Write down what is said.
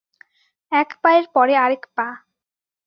এক পায়ের পরে আরেক পা।